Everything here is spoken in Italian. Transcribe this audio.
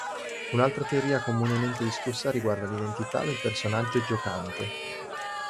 Un'altra teoria comunemente discussa riguarda l'identità del personaggio giocante.